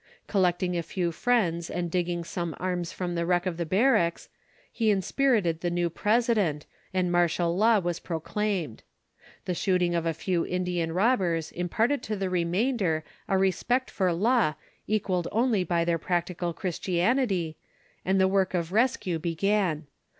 Collecting a few friends and digging some arms from the wreck of the barracks, he inspirited the new president, and martial law was proclaimed. The shooting of a few Indian robbers imparted to the remainder a respect for law equalled only by their practical Christianity, and the work of rescue began.